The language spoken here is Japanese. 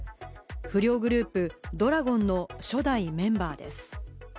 不良グループ・怒羅権の初代メンバーです。